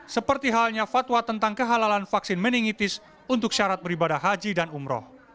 seperti halnya fatwa tentang kehalalan vaksin meningitis untuk syarat beribadah haji dan umroh